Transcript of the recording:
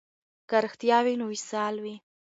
که رښتیا وي نو وصال وي.